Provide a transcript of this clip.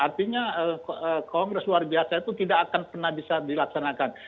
artinya kongres luar biasa itu tidak akan pernah bisa dilaksanakan